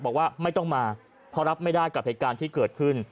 บอกว่าไม่ต้องมาเพราะรับไม่ได้กับเหตุการณ์ที่เกิดขึ้น